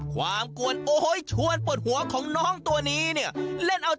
ความกวนโอ้โฮยชวนปวดหัวของน้องตัวนี้เนี่ย